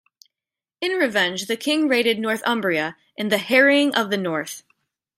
In revenge, the King raided Northumbria in the "Harrying of the North".